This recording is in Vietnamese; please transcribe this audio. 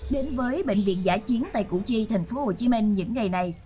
đến với bệnh viện giả chiến tại củ chi thành phố hồ chí minh những ngày này